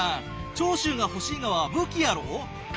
長州が欲しいがは武器やろお？